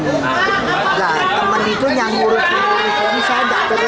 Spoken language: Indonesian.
nah teman itu nyanggur ngurus ini saya dakter dakter kok